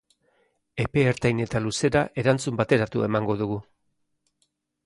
Epe ertain eta luzera erantzun bateratua emango dugu.